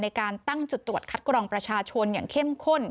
ในการตั้งจุดตรวจคัดกรองประชาชนอย่างเข้มข้น